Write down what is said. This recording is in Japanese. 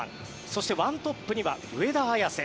そして１トップには上田綺世。